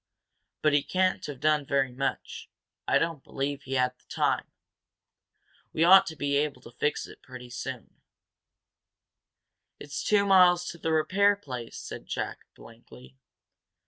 But he can't have done very much I don't believe he had the time. We ought to be able to fix it pretty soon." "It's two miles to the repair place!" said Jack, blankly.